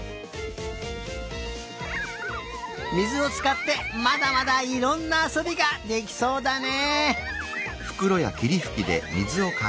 みずをつかってまだまだいろんなあそびができそうだね。